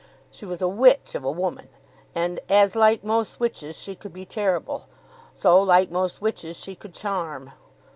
She was a witch of a woman, and, as like most witches she could be terrible, so like most witches she could charm.